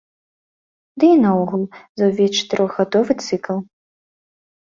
Ды і наогул за ўвесь чатырохгадовы цыкл.